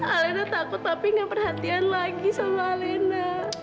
alina takut papi gak perhatian lagi sama alina